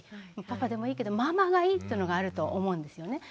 パパでもいいけどママがいい！っていうのがあるのと思うんですよね。